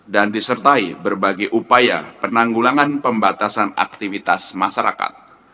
dan disertai berbagai upaya penanggulangan pembatasan aktivitas masyarakat